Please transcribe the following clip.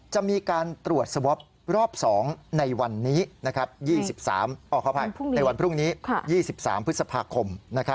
จะมีการตรวจสวอปรอบ๒ในวันนี้๒๓พฤษภาคม